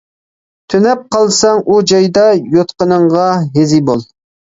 تۈنەپ قالساڭ ئۇ جايدا، يوتقىنىڭغا ھېزى بول.